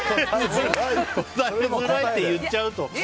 答えづらいって言っちゃうと。